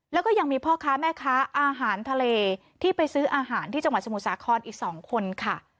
แล้วก็ยังมีพ่อค้าแม่ค้าอาหารทะเลที่ไปซื้ออาหารที่จังหวัดสมุทรสาครอีก๒คนค่ะ